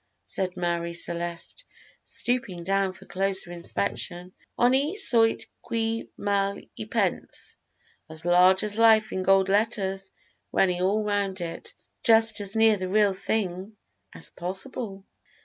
said Marie Celeste, stooping down for closer inspection, "'Honi soit qui mal y pense,' as large as life in gold letters running all round it just as near the real thing as possible."